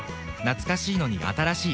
懐かしいのに新しい。